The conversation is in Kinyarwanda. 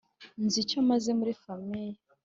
nzi icyo mazemuri famiye